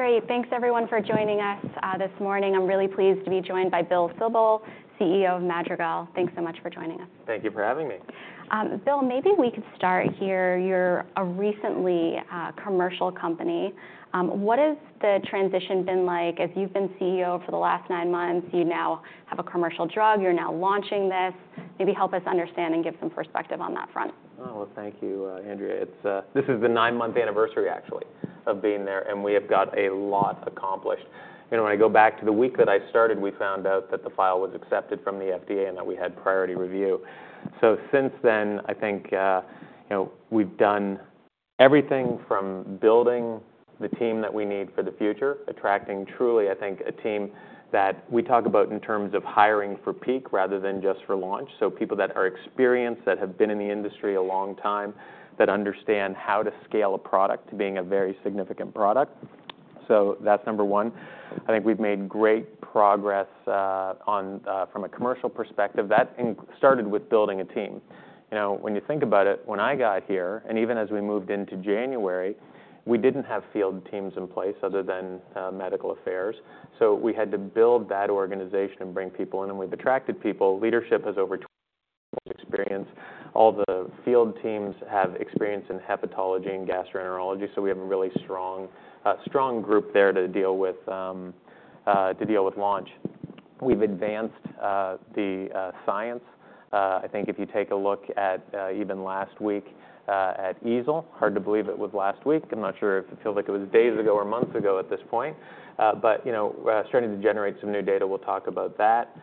Great. Thanks everyone for joining us this morning. I'm really pleased to be joined by Bill Sibold, CEO of Madrigal. Thanks so much for joining us. Thank you for having me. Bill, maybe we could start here. You're a recently commercial company. What has the transition been like? As you've been CEO for the last 9 months, you now have a commercial drug, you're now launching this. Maybe help us understand and give some perspective on that front. Oh, well, thank you, Andrea. It's this is the nine-month anniversary, actually, of being there, and we have got a lot accomplished. You know, when I go back to the week that I started, we found out that the file was accepted from the FDA and that we had priority review. So since then, I think, you know, we've done everything from building the team that we need for the future, attracting truly, I think, a team that we talk about in terms of hiring for peak rather than just for launch. So people that are experienced, that have been in the industry a long time, that understand how to scale a product to being a very significant product. So that's number one. I think we've made great progress on from a commercial perspective, that started with building a team. You know, when you think about it, when I got here, and even as we moved into January, we didn't have field teams in place other than medical affairs, so we had to build that organization and bring people in. We've attracted people. Leadership has over experience. All the field teams have experience in hepatology and gastroenterology, so we have a really strong, strong group there to deal with to deal with launch. We've advanced the science. I think if you take a look at even last week at EASL, hard to believe it was last week. I'm not sure if it feels like it was days ago or months ago at this point. But, you know, starting to generate some new data, we'll talk about that,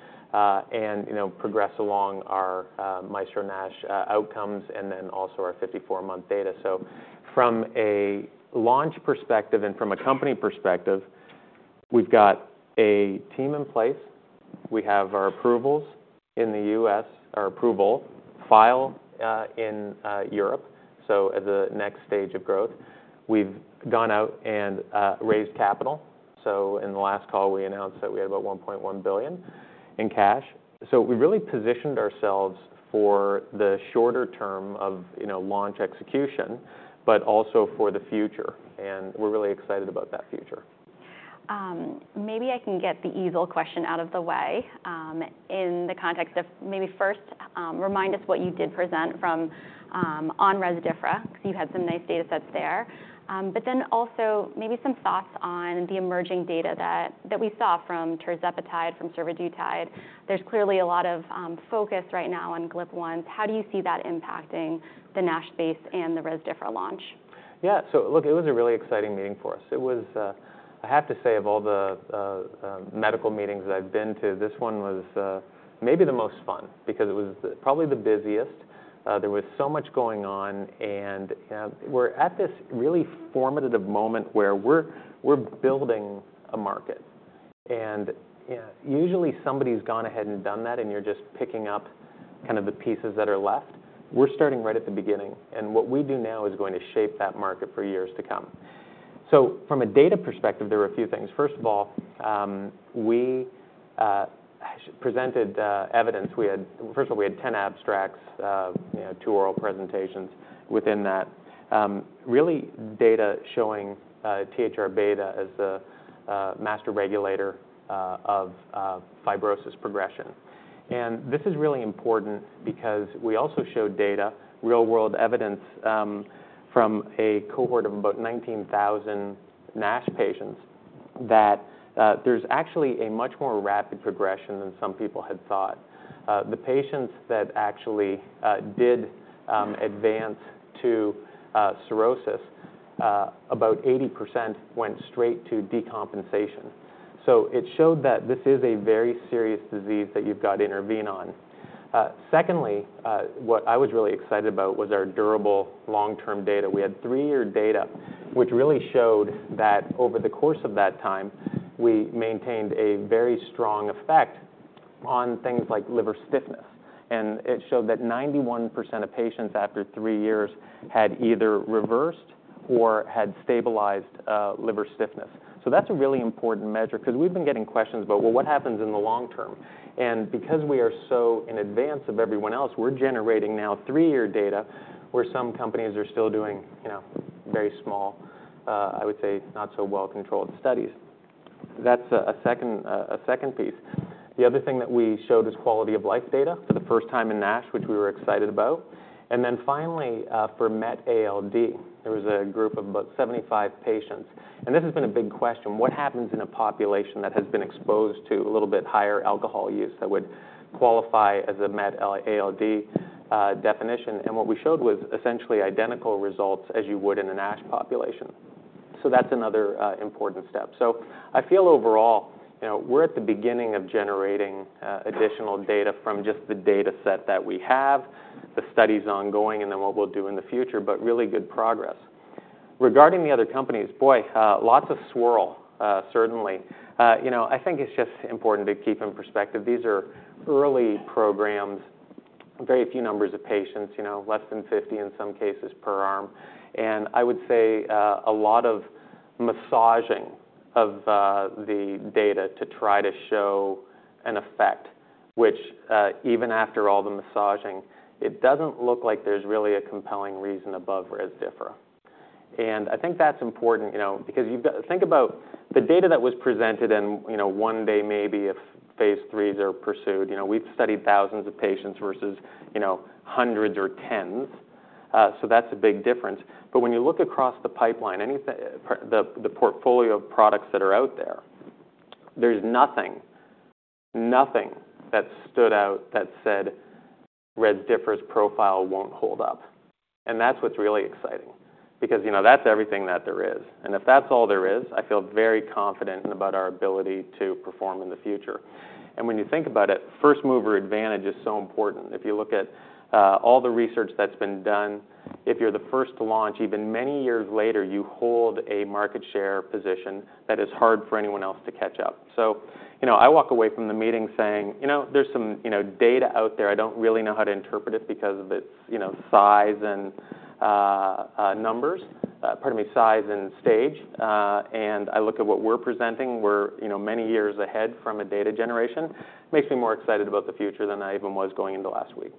and, you know, progress along our MAESTRO-NASH Outcomes, and then also our 54-month data. So from a launch perspective and from a company perspective, we've got a team in place. We have our approvals in the U.S., our approval file in Europe, so the next stage of growth. We've gone out and raised capital. So in the last call, we announced that we had about $1.1 billion in cash. So we've really positioned ourselves for the shorter term of, you know, launch execution, but also for the future, and we're really excited about that future. Maybe I can get the EASL question out of the way, in the context of maybe first, remind us what you did present from, on Rezdiffra, because you had some nice data sets there. But then also maybe some thoughts on the emerging data that, that we saw from tirzepatide, from survodutide. There's clearly a lot of focus right now on GLP-1. How do you see that impacting the NASH space and the Rezdiffra launch? Yeah. So look, it was a really exciting meeting for us. It was. I have to say, of all the medical meetings that I've been to, this one was maybe the most fun because it was probably the busiest. There was so much going on, and we're at this really formative moment where we're building a market. Usually somebody's gone ahead and done that, and you're just picking up kind of the pieces that are left. We're starting right at the beginning, and what we do now is going to shape that market for years to come. So from a data perspective, there are a few things. First of all, we presented evidence. First of all, we had 10 abstracts, you know, 2 oral presentations within that. Real data showing THR-beta as the master regulator of fibrosis progression. And this is really important because we also showed data, real-world evidence, from a cohort of about 19,000 NASH patients, that there's actually a much more rapid progression than some people had thought. The patients that actually did advance to cirrhosis, about 80% went straight to decompensation. So it showed that this is a very serious disease that you've got to intervene on. Secondly, what I was really excited about was our durable long-term data. We had three-year data, which really showed that over the course of that time, we maintained a very strong effect on things like liver stiffness. And it showed that 91% of patients after three years had either reversed or had stabilized liver stiffness. So that's a really important measure because we've been getting questions about, "Well, what happens in the long term?" And because we are so in advance of everyone else, we're generating now 3-year data, where some companies are still doing, you know, very small, I would say, not so well-controlled studies. That's a second, a second piece. The other thing that we showed is quality-of-life data for the first time in NASH, which we were excited about. And then finally, for MetALD, there was a group of about 75 patients, and this has been a big question: What happens in a population that has been exposed to a little bit higher alcohol use that would qualify as a MetALD, definition? And what we showed was essentially identical results as you would in a NASH population. So that's another, important step. So I feel overall, you know, we're at the beginning of generating additional data from just the data set that we have, the studies ongoing, and then what we'll do in the future, but really good progress. Regarding the other companies, boy, lots of swirl, certainly. You know, I think it's just important to keep in perspective, these are early programs, very few numbers of patients, you know, less than 50 in some cases per arm. And I would say a lot of massaging of the data to try to show an effect which even after all the massaging, it doesn't look like there's really a compelling reason above Rezdiffra. And I think that's important, you know, because think about the data that was presented in, you know, one day, maybe if phase III's are pursued. You know, we've studied thousands of patients versus, you know, hundreds or tens, so that's a big difference. But when you look across the pipeline, the portfolio of products that are out there, there's nothing, nothing that stood out that said Rezdiffra's profile won't hold up, and that's what's really exciting. Because, you know, that's everything that there is, and if that's all there is, I feel very confident about our ability to perform in the future. And when you think about it, first mover advantage is so important. If you look at all the research that's been done, if you're the first to launch, even many years later, you hold a market share position that is hard for anyone else to catch up. So, you know, I walk away from the meeting saying, "You know, there's some, you know, data out there. I don't really know how to interpret it because of its, you know, size and numbers. Pardon me, size and stage. And I look at what we're presenting, we're, you know, many years ahead from a data generation. Makes me more excited about the future than I even was going into last week.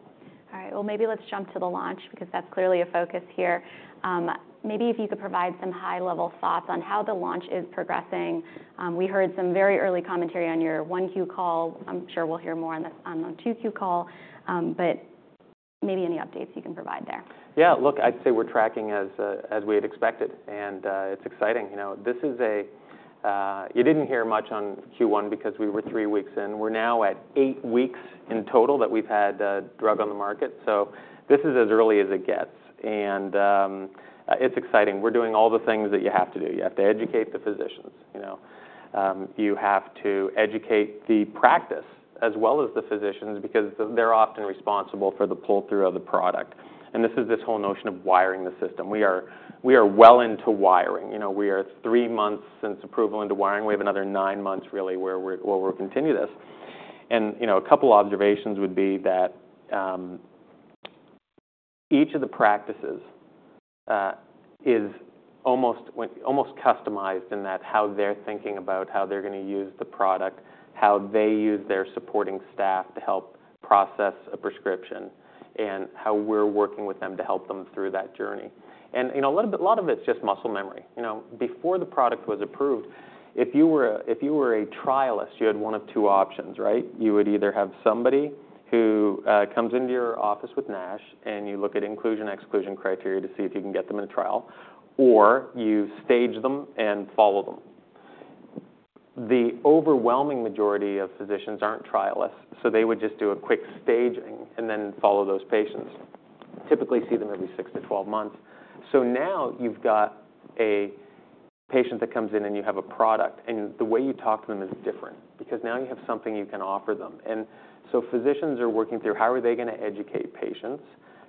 All right. Well, maybe let's jump to the launch, because that's clearly a focus here. Maybe if you could provide some high-level thoughts on how the launch is progressing. We heard some very early commentary on your 1Q call. I'm sure we'll hear more on this on the 2Q call. But maybe any updates you can provide there? Yeah, look, I'd say we're tracking as, as we had expected, and, it's exciting. You know, this is a. You didn't hear much on Q1 because we were 3 weeks in. We're now at 8 weeks in total that we've had the drug on the market, so this is as early as it gets, and, it's exciting. We're doing all the things that you have to do. You have to educate the physicians, you know? You have to educate the practice as well as the physicians, because they're often responsible for the pull-through of the product. And this is this whole notion of wiring the system. We are, we are well into wiring. You know, we are 3 months since approval into wiring. We have another 9 months, really, where we'll continue this. You know, a couple observations would be that, each of the practices is almost customized in that how they're thinking about how they're gonna use the product, how they use their supporting staff to help process a prescription, and how we're working with them to help them through that journey. You know, a lot of it's just muscle memory. You know, before the product was approved, if you were a trialist, you had one of two options, right? You would either have somebody who comes into your office with NASH, and you look at inclusion/exclusion criteria to see if you can get them in a trial, or you stage them and follow them. The overwhelming majority of physicians aren't trialists, so they would just do a quick staging and then follow those patients. Typically, see them every 6-12 months. So now you've got a patient that comes in, and you have a product, and the way you talk to them is different because now you have something you can offer them. So physicians are working through how are they gonna educate patients,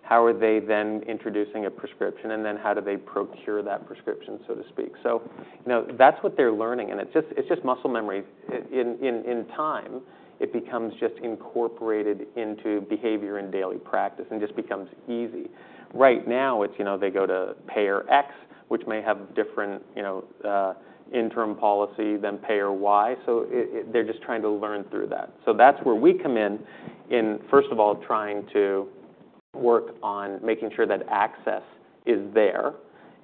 how are they then introducing a prescription, and then how do they procure that prescription, so to speak. So you know, that's what they're learning, and it's just muscle memory. In time, it becomes just incorporated into behavior and daily practice and just becomes easy. Right now it's, you know, they go to payer X, which may have different, you know, interim policy than payer Y, so it, they're just trying to learn through that. So that's where we come in, in first of all, trying to work on making sure that access is there.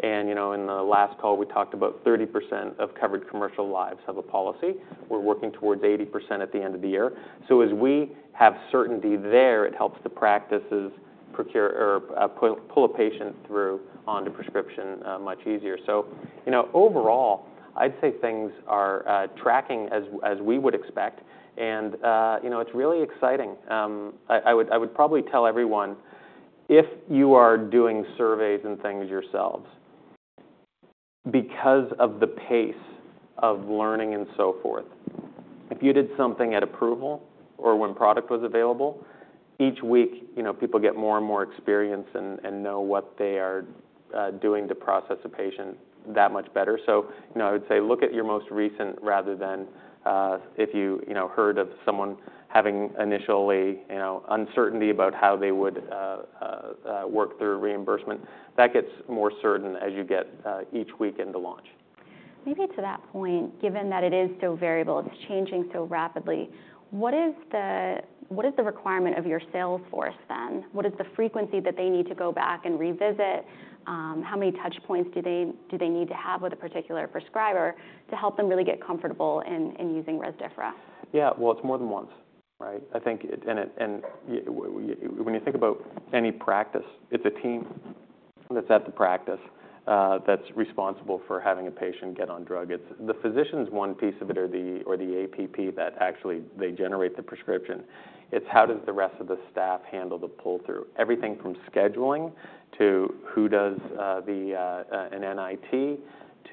And, you know, in the last call, we talked about 30% of covered commercial lives have a policy. We're working towards 80% at the end of the year. So as we have certainty there, it helps the practices procure or pull a patient through onto prescription much easier. So, you know, overall, I'd say things are tracking as we would expect, and, you know, it's really exciting. I would probably tell everyone, if you are doing surveys and things yourselves, because of the pace of learning and so forth, if you did something at approval or when product was available, each week, you know, people get more and more experience and know what they are doing to process a patient that much better. So you know, I would say look at your most recent, rather than if you, you know, heard of someone having initially, you know, uncertainty about how they would work through reimbursement. That gets more certain as you get each week into launch. Maybe to that point, given that it is so variable, it's changing so rapidly, what is the. What is the requirement of your sales force then? What is the frequency that they need to go back and revisit? How many touch points do they, do they need to have with a particular prescriber to help them really get comfortable in, in using Rezdiffra? Yeah, well, it's more than once, right? I think when you think about any practice, it's a team that's at the practice that's responsible for having a patient get on drug. It's the physician's one piece of it or the APP that actually they generate the prescription. It's how does the rest of the staff handle the pull-through? Everything from scheduling to who does an NIT,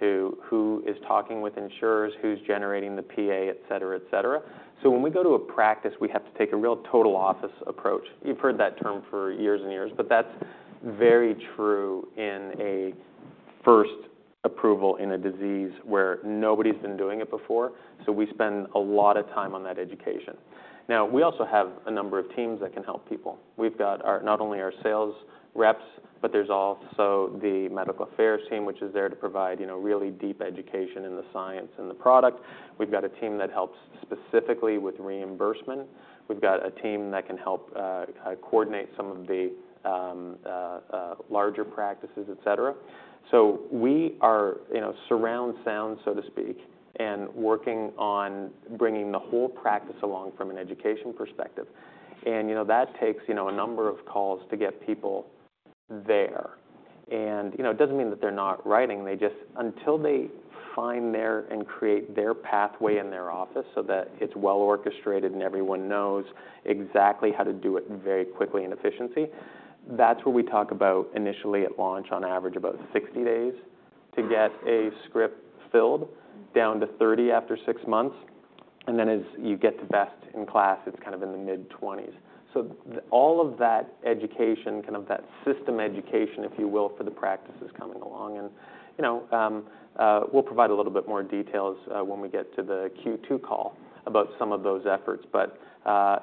to who is talking with insurers, who's generating the PA, et cetera, et cetera. So when we go to a practice, we have to take a real total office approach. You've heard that term for years and years, but that's very true in a first approval in a disease where nobody's been doing it before, so we spend a lot of time on that education. Now, we also have a number of teams that can help people. We've got our, not only our sales reps, but there's also the medical affairs team, which is there to provide, you know, really deep education in the science and the product. We've got a team that helps specifically with reimbursement. We've got a team that can help coordinate some of the larger practices, et cetera. So we are, you know, surround sound, so to speak, and working on bringing the whole practice along from an education perspective. And, you know, that takes, you know, a number of calls to get people there. You know, it doesn't mean that they're not writing, they just—until they find their and create their pathway in their office so that it's well orchestrated and everyone knows exactly how to do it very quickly and efficiently, that's what we talk about initially at launch, on average, about 60 days to get a script filled down to 30 after six months. And then as you get to best in class, it's kind of in the mid-20s. So all of that education, kind of that system education, if you will, for the practice is coming along and, you know, we'll provide a little bit more details when we get to the Q2 call about some of those efforts. But,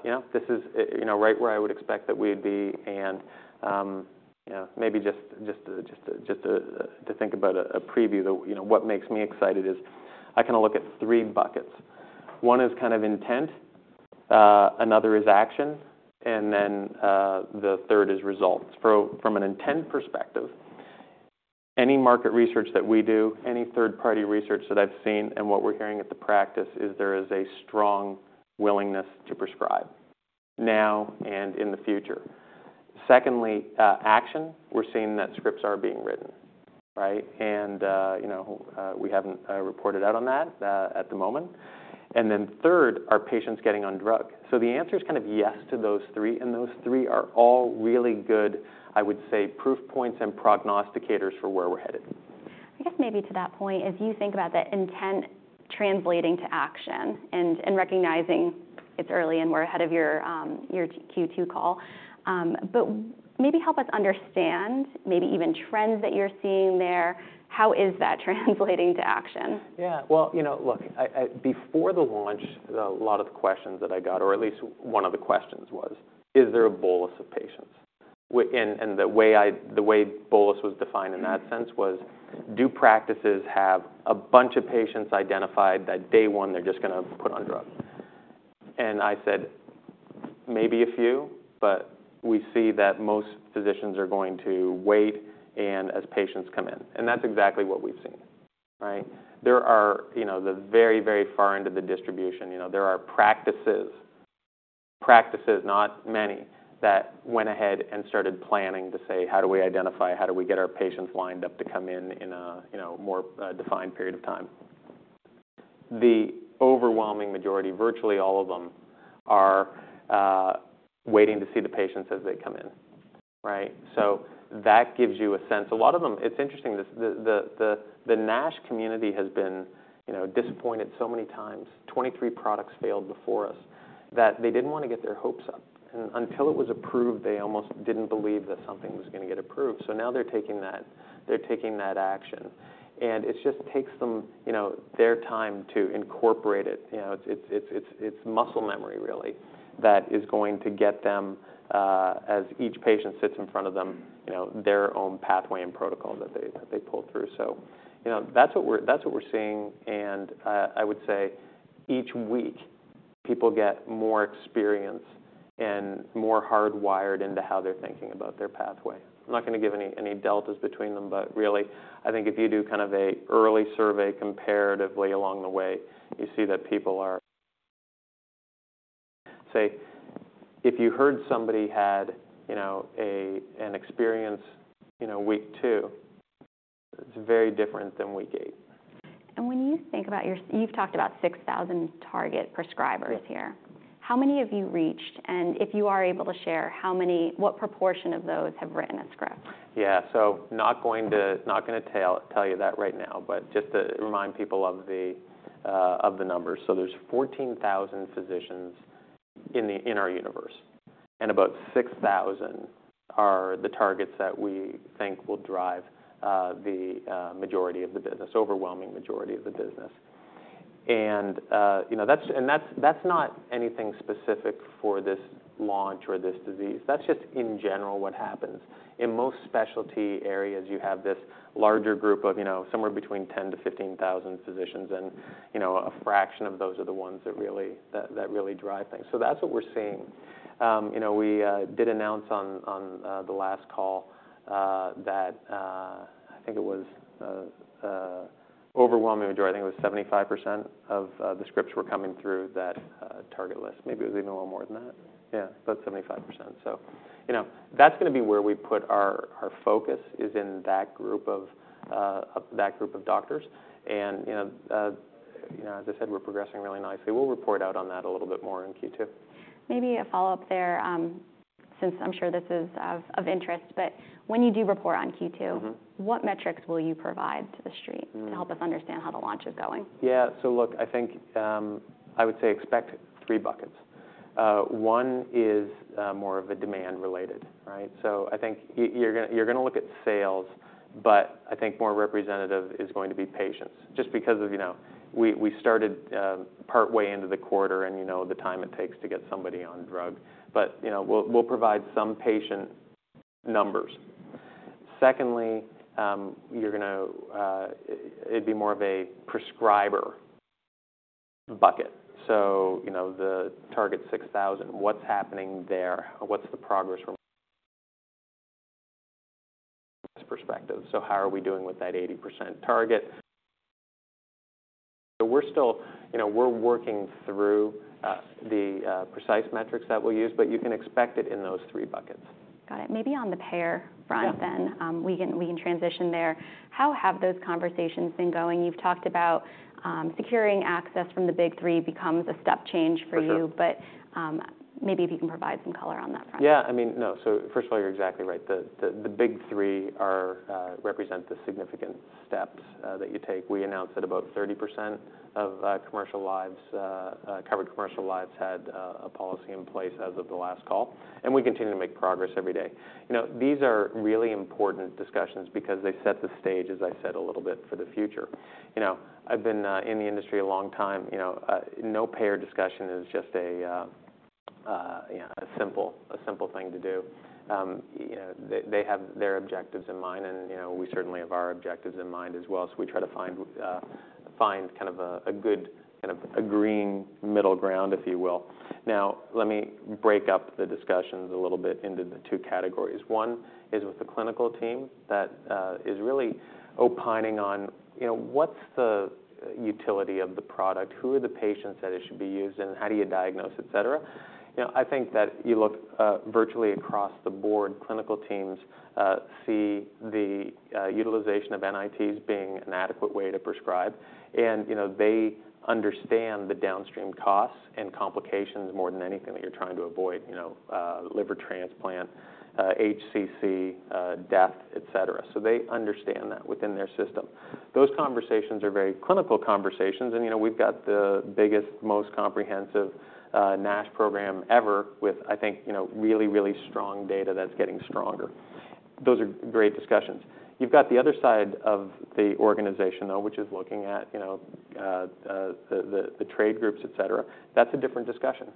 you know, this is, you know, right where I would expect that we'd be. And, you know, maybe just to think about a preview, the. You know, what makes me excited is I kind of look at three buckets. One is kind of intent, another is action, and then, the third is results. From an intent perspective, any market research that we do, any third-party research that I've seen and what we're hearing at the practice is there is a strong willingness to prescribe now and in the future. Secondly, action, we're seeing that scripts are being written, right? And, you know, we haven't reported out on that, at the moment. And then third, are patients getting on drug? So the answer is kind of yes to those three, and those three are all really good, I would say, proof points and prognosticators for where we're headed. I guess maybe to that point, if you think about the intent translating to action and, and recognizing it's early and we're ahead of your, your Q2 call, but maybe help us understand, maybe even trends that you're seeing there, how is that translating to action? Yeah. Well, you know, look, I before the launch, a lot of the questions that I got, or at least one of the questions, was: Is there a bolus of patients? And the way bolus was defined in that sense was, do practices have a bunch of patients identified that day one, they're just gonna put on drug? And I said, "Maybe a few, but we see that most physicians are going to wait and as patients come in." And that's exactly what we've seen, right? There are, you know, the very, very far into the distribution, you know, there are practices, practices, not many, that went ahead and started planning to say: How do we identify? How do we get our patients lined up to come in in a, you know, more defined period of time? The overwhelming majority, virtually all of them, are waiting to see the patients as they come in, right? So that gives you a sense. A lot of them. It's interesting, the NASH community has been, you know, disappointed so many times, 23 products failed before us, that they didn't want to get their hopes up. And until it was approved, they almost didn't believe that something was going to get approved. So now they're taking that action, and it just takes them, you know, their time to incorporate it. You know, it's muscle memory, really, that is going to get them, as each patient sits in front of them, you know, their own pathway and protocol that they pull through. So, you know, that's what we're seeing. I would say each week, people get more experienced and more hardwired into how they're thinking about their pathway. I'm not going to give any deltas between them, but really, I think if you do kind of an early survey comparatively along the way, you see that people are. Say, if you heard somebody had, you know, an experience, you know, week 2, it's very different than week 8. When you think about, you've talked about 6,000 target prescribers here. Yes. How many have you reached? If you are able to share, what proportion of those have written a script? Yeah. So not gonna tell you that right now, but just to remind people of the numbers. So there's 14,000 physicians in our universe, and about 6,000 are the targets that we think will drive the majority of the business, overwhelming majority of the business. And you know, that's not anything specific for this launch or this disease. That's just in general, what happens. In most specialty areas, you have this larger group of, you know, somewhere between 10-15 thousand physicians, and, you know, a fraction of those are the ones that really drive things. So that's what we're seeing. You know, we did announce on the last call that I think it was an overwhelming majority. I think it was 75% of the scripts were coming through that target list. Maybe it was even a little more than that. Yeah, about 75%. So, you know, that's gonna be where we put our focus, is in that group of doctors. You know, as I said, we're progressing really nicely. We'll report out on that a little bit more in Q2. Maybe a follow-up there, since I'm sure this is of interest, but when you do report on Q2- Mm-hmm. What metrics will you provide to the street? Mm. to help us understand how the launch is going? Yeah. So look, I think I would say expect three buckets. One is more of a demand related, right? So I think you're gonna, you're gonna look at sales, but I think more representative is going to be patients, just because of, you know, we, we started partway into the quarter and, you know, the time it takes to get somebody on drug. But, you know, we'll, we'll provide some patient numbers. Secondly, you're gonna, it'd be more of a prescriber bucket. So, you know, the target 6,000, what's happening there? What's the progress from this perspective? So how are we doing with that 80% target? So we're still-- you know, we're working through the precise metrics that we'll use, but you can expect it in those three buckets. Got it. Maybe on the payer front then- Yeah. We can transition there. How have those conversations been going? You've talked about securing access from the Big Three becomes a step change for you. For sure. Maybe if you can provide some color on that front. Yeah, I mean, no. So first of all, you're exactly right. The Big Three are represent the significant steps that you take. We announced that about 30% of covered commercial lives had a policy in place as of the last call, and we continue to make progress every day. You know, these are really important discussions because they set the stage, as I said, a little bit, for the future. You know, I've been in the industry a long time. You know, no payer discussion is just a, you know, a simple, a simple thing to do. You know, they have their objectives in mind, and, you know, we certainly have our objectives in mind as well. So we try to find kind of a good kind of a green middle ground, if you will. Now, let me break up the discussions a little bit into the two categories. One is with the clinical team that is really opining on, you know, what's the utility of the product? Who are the patients that it should be used in? How do you diagnose, et cetera? You know, I think that you look virtually across the board, clinical teams see the utilization of NITs being an adequate way to prescribe. And, you know, they understand the downstream costs and complications more than anything that you're trying to avoid, you know, liver transplant, HCC, death, et cetera. So they understand that within their system. Those conversations are very clinical conversations, and, you know, we've got the biggest, most comprehensive, NASH program ever with, I think, you know, really, really strong data that's getting stronger. Those are great discussions. You've got the other side of the organization, though, which is looking at, you know, the trade groups, et cetera. That's a different discussion.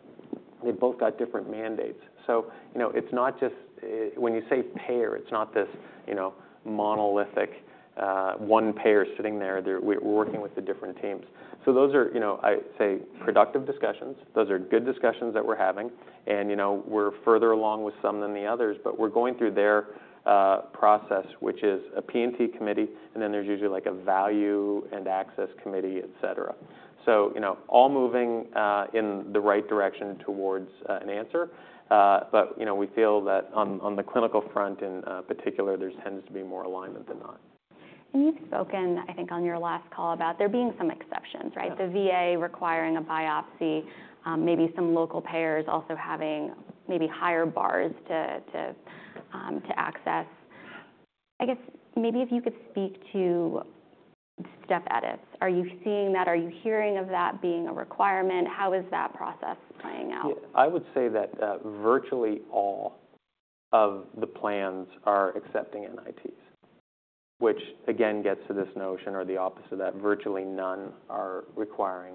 They've both got different mandates. So, you know, it's not just. When you say payer, it's not this, you know, monolithic, one payer sitting there. They're, we're working with the different teams. So those are, you know, I'd say, productive discussions. Those are good discussions that we're having. And, you know, we're further along with some than the others, but we're going through their, process, which is a P&T Committee, and then there's usually, like, a value and access committee, et cetera. So, you know, all moving in the right direction towards an answer. But, you know, we feel that on, on the clinical front, in particular, there tends to be more alignment than not. You've spoken, I think, on your last call about there being some exceptions, right? Yeah. The VA requiring a biopsy, maybe some local payers also having maybe higher bars to access. I guess, maybe if you could speak to step edits. Are you seeing that? Are you hearing of that being a requirement? How is that process playing out? Yeah. I would say that, virtually all of the plans are accepting NITs, which again, gets to this notion or the opposite, that virtually none are requiring,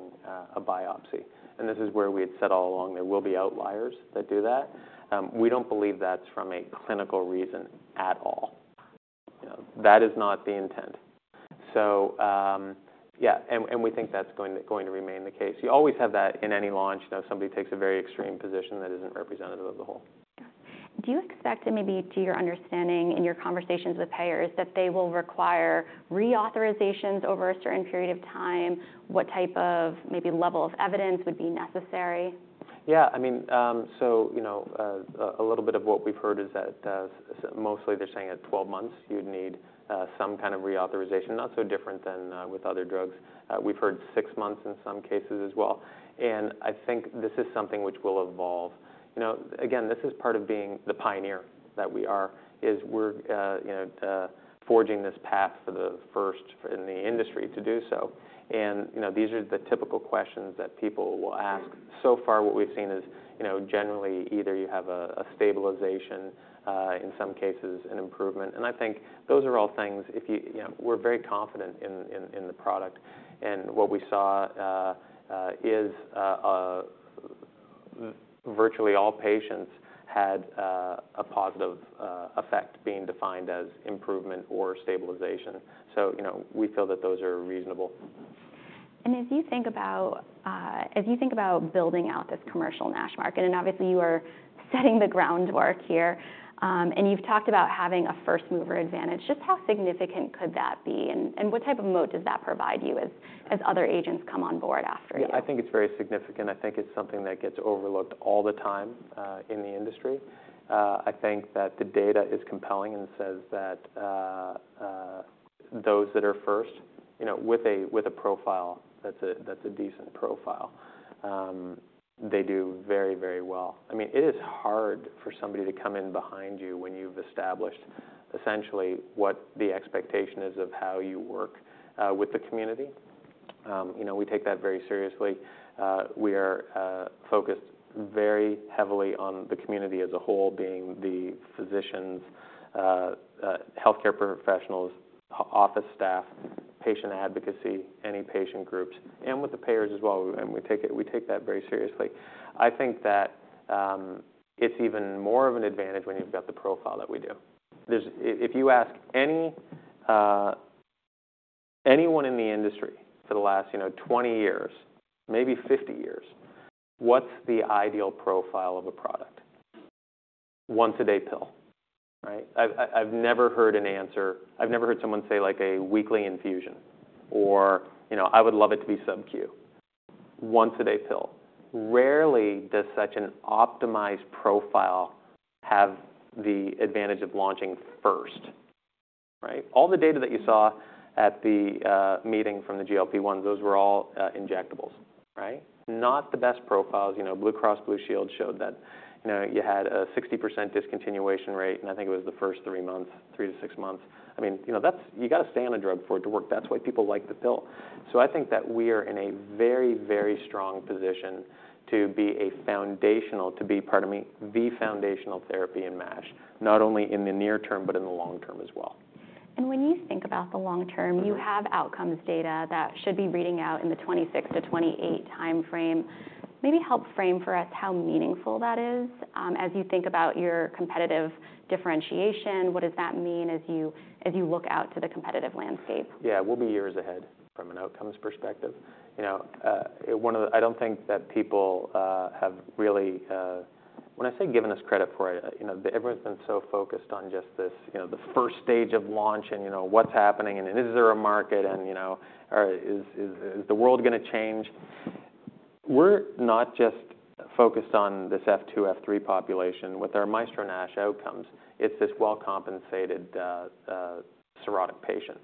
a biopsy. And this is where we had said all along, there will be outliers that do that. We don't believe that's from a clinical reason at all. You know, that is not the intent. So, yeah, and, and we think that's going to, going to remain the case. You always have that in any launch. You know, somebody takes a very extreme position that isn't representative of the whole. Do you expect, and maybe to your understanding in your conversations with payers, that they will require reauthorizations over a certain period of time? What type of maybe level of evidence would be necessary? Yeah, I mean, so, you know, a little bit of what we've heard is that, mostly they're saying at 12 months, you'd need some kind of reauthorization, not so different than with other drugs. We've heard 6 months in some cases as well. And I think this is something which will evolve. You know, again, this is part of being the pioneer that we are, is we're, you know, forging this path for the first in the industry to do so. And, you know, these are the typical questions that people will ask. So far, what we've seen is, you know, generally either you have a stabilization, in some cases, an improvement. And I think those are all things if you. You know, we're very confident in the product. What we saw is virtually all patients had a positive effect being defined as improvement or stabilization. So, you know, we feel that those are reasonable. If you think about building out this commercial NASH market, and obviously, you are setting the groundwork here, and you've talked about having a first-mover advantage, just how significant could that be? And what type of moat does that provide you as other agents come on board after you? Yeah, I think it's very significant. I think it's something that gets overlooked all the time, in the industry. I think that the data is compelling and says that those that are first, you know, with a profile that's a decent profile, they do very, very well. I mean, it is hard for somebody to come in behind you when you've established essentially what the expectation is of how you work, with the community. You know, we take that very seriously. We are focused very heavily on the community as a whole, being the physicians, healthcare professionals, office staff. patient advocacy, any patient groups, and with the payers as well, and we take that very seriously. I think that, it's even more of an advantage when you've got the profile that we do. There is if you ask any, anyone in the industry for the last, you know, 20 years, maybe 50 years, what's the ideal profile of a product? Once a day pill, right? I've never heard an answer. I've never heard someone say, like, a weekly infusion or, you know, "I would love it to be subQ." Once a day pill. Rarely does such an optimized profile have the advantage of launching first, right? All the data that you saw at the meeting from the GLP-1, those were all injectables, right? Not the best profiles. You know, Blue Cross Blue Shield showed that, you know, you had a 60% discontinuation rate, and I think it was the first three months, three to six months. I mean, you know, that's, you gotta stay on a drug for it to work. That's why people like the pill. So I think that we are in a very, very strong position to be a foundational, to be, pardon me, the foundational therapy in NASH, not only in the near term, but in the long term as well. When you think about the long term- Mm-hmm. You have outcomes data that should be reading out in the 2026-2028 timeframe. Maybe help frame for us how meaningful that is, as you think about your competitive differentiation, what does that mean as you, as you look out to the competitive landscape? Yeah, we'll be years ahead from an outcomes perspective. You know, one of the. I don't think that people have really, when I say given us credit for it, you know, everyone's been so focused on just this, you know, the first stage of launch and, you know, what's happening, and is there a market, and, you know, is the world gonna change? We're not just focused on this F2, F3 population. With our MAESTRO-NASH Outcomes, it's this well-compensated, cirrhotic patient.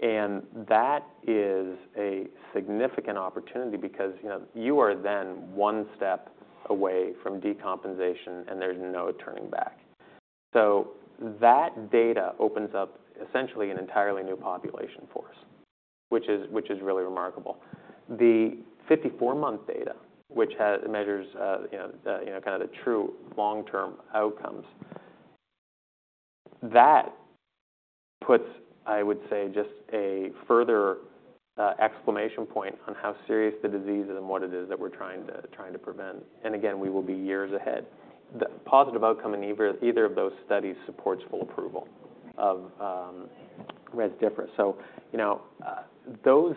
And that is a significant opportunity because, you know, you are then one step away from decompensation, and there's no turning back. So that data opens up essentially an entirely new population for us, which is, which is really remarkable. The 54-month data, which has. measures, you know, the, you know, kind of the true long-term outcomes, that puts, I would say, just a further, exclamation point on how serious the disease is and what it is that we're trying to, trying to prevent. And again, we will be years ahead. The positive outcome in either, either of those studies supports full approval of, Rezdiffra. So, you know, those, those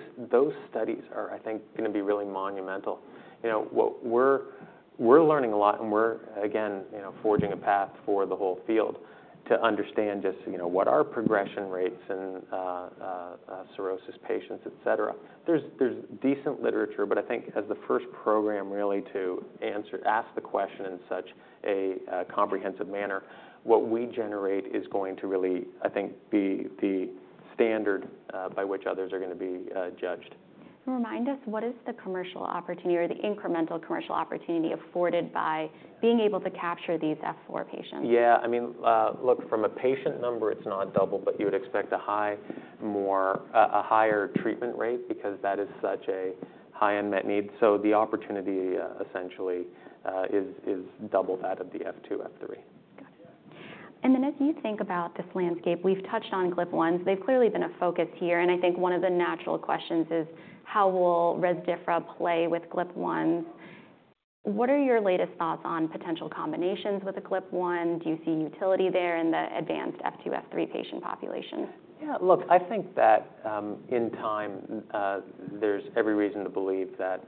studies are, I think, gonna be really monumental. You know, what we're, we're learning a lot, and we're, again, you know, forging a path for the whole field to understand just, you know, what are progression rates in, cirrhosis patients, et cetera. There's decent literature, but I think as the first program really to ask the question in such a comprehensive manner, what we generate is going to really, I think, be the standard by which others are gonna be judged. Remind us, what is the commercial opportunity or the incremental commercial opportunity afforded by being able to capture these F4 patients? Yeah, I mean, look, from a patient number, it's not double, but you would expect a high, more, a higher treatment rate because that is such a high unmet need. So the opportunity, essentially, is double that of the F2, F3. Got it. And then as you think about this landscape, we've touched on GLP-1. They've clearly been a focus here, and I think one of the natural questions is: How will Rezdiffra play with GLP-1? What are your latest thoughts on potential combinations with the GLP-1? Do you see utility there in the advanced F2, F3 patient population? Yeah, look, I think that, in time, there's every reason to believe that,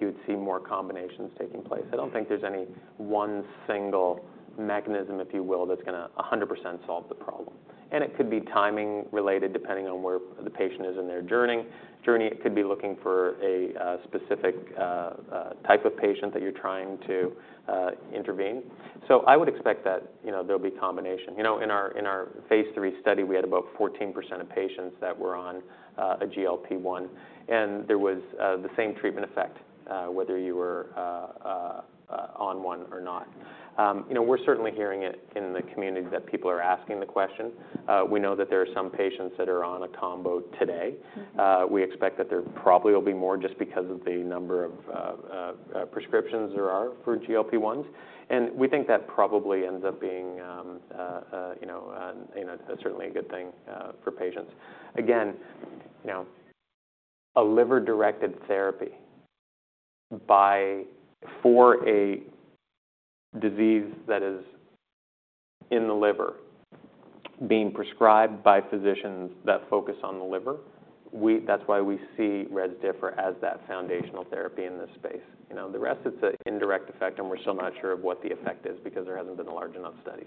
you'd see more combinations taking place. I don't think there's any one single mechanism, if you will, that's gonna 100% solve the problem. And it could be timing related, depending on where the patient is in their journeying, journey. It could be looking for a, specific, type of patient that you're trying to, intervene. So I would expect that, you know, there'll be combination. You know, in our, in our phase 3 study, we had about 14% of patients that were on, a GLP-1, and there was, the same treatment effect, whether you were, on one or not. You know, we're certainly hearing it in the community that people are asking the question. We know that there are some patients that are on a combo today. Mm-hmm. We expect that there probably will be more just because of the number of prescriptions there are for GLP-1s, and we think that probably ends up being, you know, certainly a good thing for patients. Again, you know, a liver-directed therapy by for a disease that is in the liver, being prescribed by physicians that focus on the liver, that's why we see Rezdiffra as that foundational therapy in this space. You know, the rest, it's an indirect effect, and we're still not sure of what the effect is because there hasn't been a large enough studies.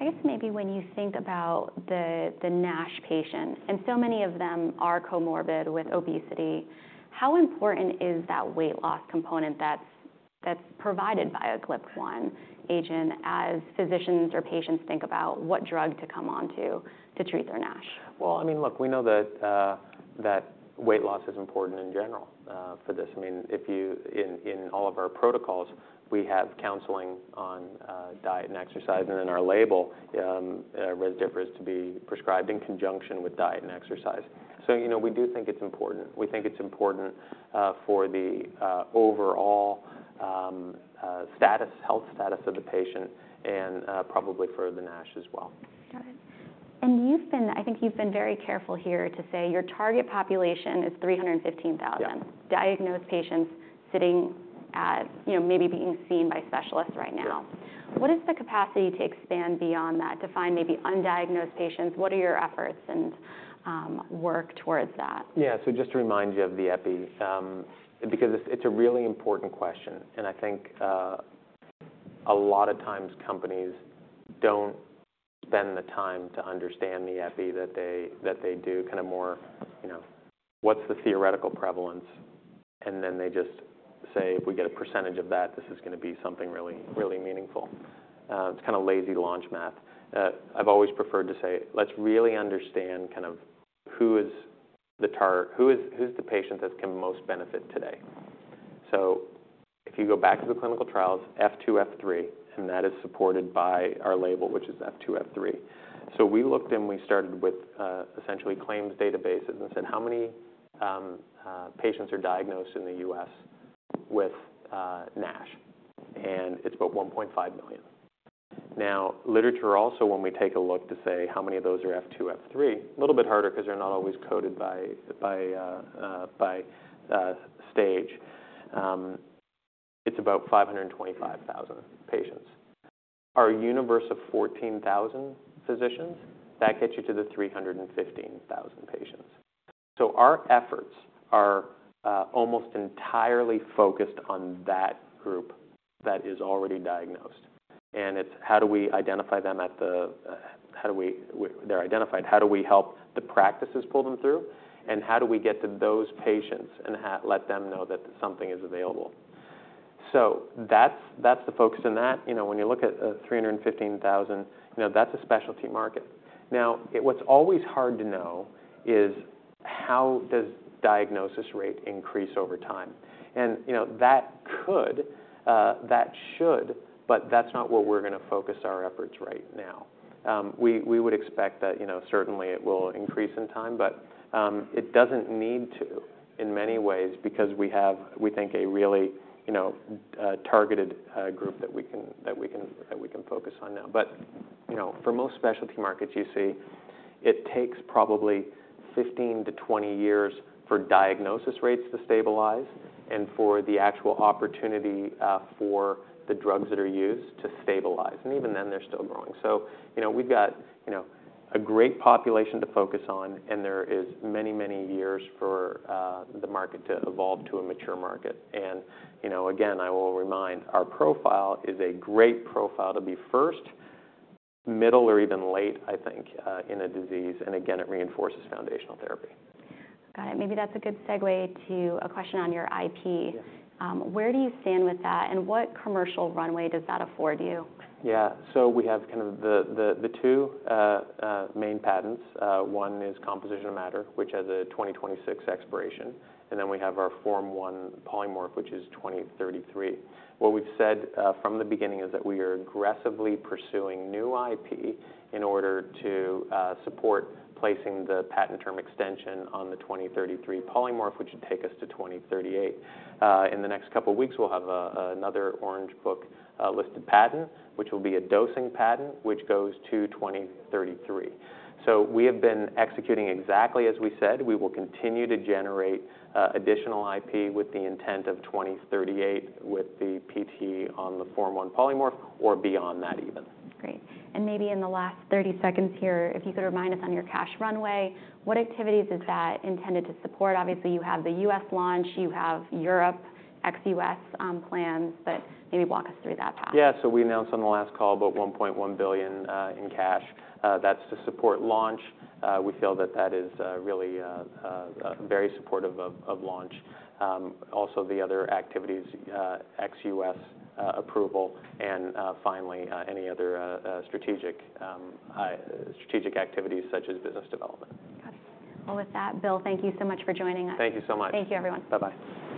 I guess maybe when you think about the NASH patients, and so many of them are comorbid with obesity, how important is that weight loss component that's provided by a GLP-1 agent as physicians or patients think about what drug to come onto to treat their NASH? Well, I mean, look, we know that that weight loss is important in general, for this. I mean, if you. In all of our protocols, we have counseling on diet and exercise, and in our label, Rezdiffra is to be prescribed in conjunction with diet and exercise. So, you know, we do think it's important. We think it's important, for the overall health status of the patient and probably for the NASH as well. Got it. And I think you've been very careful here to say your target population is 315,000- Yeah. - diagnosed patients sitting at, you know, maybe being seen by specialists right now. Yeah. What is the capacity to expand beyond that, to find maybe undiagnosed patients? What are your efforts and, work towards that? Yeah. So just to remind you of the epi, because it's a really important question, and I think a lot of times companies don't spend the time to understand the epi that they do, kind of more, you know, what's the theoretical prevalence? And then they just say, "If we get a percentage of that, this is gonna be something really, really meaningful." It's kind of lazy launch math. I've always preferred to say, "Let's really understand kind of who is the patient that can most benefit today?" So if you go back to the clinical trials, F2, F3, and that is supported by our label, which is F2, F3. So we looked and we started with, essentially claims databases, and said, "How many, patients are diagnosed in the U.S. with, NASH?" And it's about 1.5 million. Now, literature also, when we take a look to say, how many of those are F2, F3? A little bit harder 'cause they're not always coded by stage. It's about 525,000 patients. Our universe of 14,000 physicians, that gets you to the 315,000 patients. So our efforts are, almost entirely focused on that group that is already diagnosed, and it's how do we identify them at the They're identified, how do we help the practices pull them through, and how do we get to those patients and let them know that something is available? So that's, that's the focus in that. You know, when you look at 315,000, you know, that's a specialty market. Now, what's always hard to know is how does diagnosis rate increase over time? And, you know, that could, that should, but that's not where we're gonna focus our efforts right now. We would expect that, you know, certainly it will increase in time, but, it doesn't need to, in many ways, because we have, we think, a really, you know, targeted, group that we can focus on now. But, you know, for most specialty markets, you see, it takes probably 15-20 years for diagnosis rates to stabilize and for the actual opportunity, for the drugs that are used to stabilize, and even then, they're still growing. So, you know, we've got, you know, a great population to focus on, and there is many, many years for the market to evolve to a mature market. And, you know, again, I will remind, our profile is a great profile to be first, middle or even late, I think, in a disease, and again, it reinforces foundational therapy. Got it. Maybe that's a good segue to a question on your IP. Yeah. Where do you stand with that, and what commercial runway does that afford you? Yeah. So we have kind of the two main patents. One is composition of matter, which has a 2026 expiration, and then we have our Form I polymorph, which is 2033. What we've said from the beginning is that we are aggressively pursuing new IP in order to support placing the patent term extension on the 2033 polymorph, which should take us to 2038. In the next couple of weeks, we'll have another Orange Book listed patent, which will be a dosing patent, which goes to 2033. So we have been executing exactly as we said. We will continue to generate additional IP with the intent of 2038, with the PT on the Form I polymorph or beyond that even. Great. And maybe in the last 30 seconds here, if you could remind us on your cash runway, what activities is that intended to support? Obviously, you have the U.S. launch, you have Europe, ex-U.S., plans, but maybe walk us through that path. Yeah. So we announced on the last call about $1.1 billion in cash. That's to support launch. We feel that that is really very supportive of launch. Also the other activities ex-US approval, and finally any other strategic activities such as business development. Got it. Well, with that, Bill, thank you so much for joining us. Thank you so much. Thank you, everyone. Bye-bye.